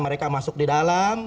mereka masuk di dalam